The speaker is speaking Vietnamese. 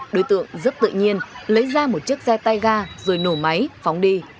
đối tượng rất tự nhiên lấy ra một chiếc xe tay ga rồi nổ máy phóng đi